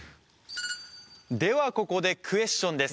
ではここでクエスチョンです